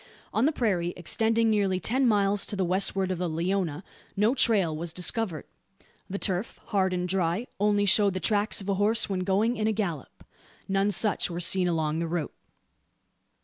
On the prairie, extending nearly ten miles to the westward of the Leona, no trail was discovered. The turf, hard and dry, only showed the tracks of a horse when going in a gallop. None such were seen along the route.